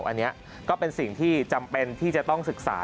อันนี้ก็เป็นสิ่งที่จำเป็นที่จะต้องศึกษา